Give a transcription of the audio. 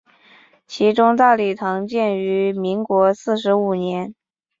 其中大礼堂建于民国四十五年。